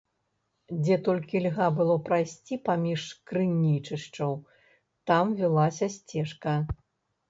Дзе толькі льга было прайсці паміж крынічышчаў, там вілася сцежка.